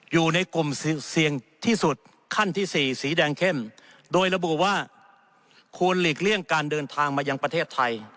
อยู่ในกลุ่มเสี่ยงที่สุดขั้นที่สี่สีแดงเข้มโดยระบุว่าควรหลีกเลี่ยงการเดินทางมายังประเทศไทย